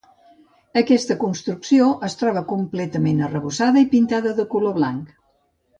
Aquesta construcció es troba completament arrebossada i pintada de color blanc.